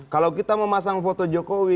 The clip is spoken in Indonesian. kalau kita memasang foto jokowi